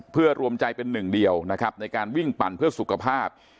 เพื่อรวมใจเป็นหนึ่งเดียวนะครับในการวิ่งปั่นเพื่อสุขภาพ